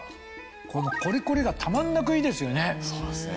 このコリコリがたまんなくいいですよね。